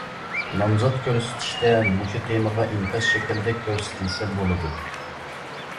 نامزات كۆرسىتىشتە مۇشۇ تېمىغا ئىنكاس شەكلىدە كۆرسىتىلسە بولىدۇ.